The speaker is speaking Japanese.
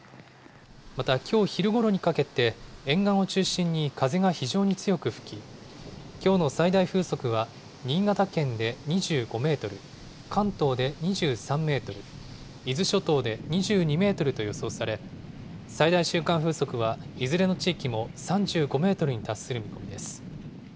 またきょう昼ごろにかけて、沿岸を中心に風が非常に強く吹き、きょうの最大風速は新潟県で２５メートル、関東で２３メートル、伊豆諸島で２２メートルと予想され、最大瞬間風速はいずれの地域も３５メートルに達する見込みです。